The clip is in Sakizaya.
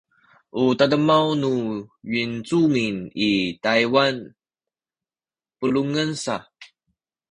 u tademaw nu Yincumin i Taywan pulungen sa